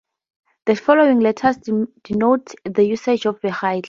The following letter denotes the usage of the vehicle.